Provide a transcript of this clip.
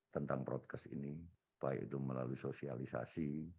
tentang protes ini baik itu melalui sosialisasi